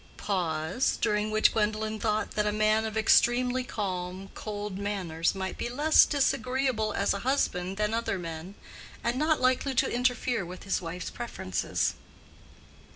(Pause, during which Gwendolen thought that a man of extremely calm, cold manners might be less disagreeable as a husband than other men, and not likely to interfere with his wife's preferences.)